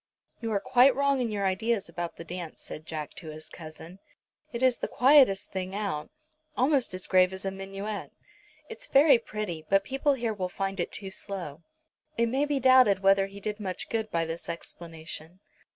"You are quite wrong in your ideas about the dance," said Jack to his cousin. "It is the quietest thing out, almost as grave as a minuet. It's very pretty, but people here will find it too slow." It may be doubted whether he did much good by this explanation.